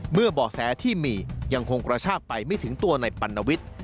บ่อแสที่มียังคงกระชากไปไม่ถึงตัวในปัณวิทย์